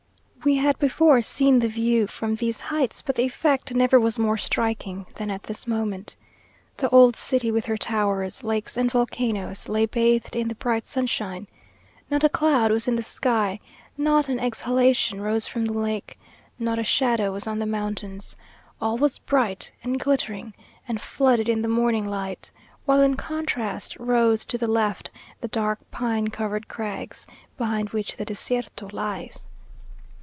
We had before seen the view from these heights, but the effect never was more striking than at this moment. The old city with her towers, lakes, and volcanoes, lay bathed in the bright sunshine. Not a cloud was in the sky not an exhalation rose from the lake not a shadow was on the mountains. All was bright and glittering, and flooded in the morning light; while in contrast rose to the left the dark, pine covered crags, behind which the Desierto lies.